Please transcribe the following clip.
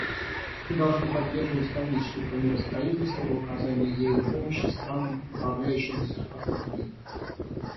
Мы должны поддерживать Комиссию по миростроительству в оказании ею помощи странам, оправляющимся от конфликтов.